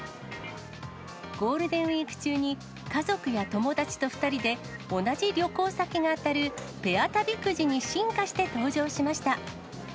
ゴールデンウィーク中に、家族や友達と２人で同じ旅行先が当たるペア旅くじに進化して登場しました。